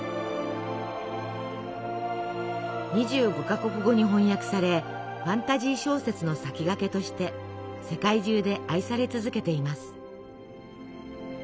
２５か国語に翻訳されファンタジー小説の先駆けとして世界中で愛され続けています。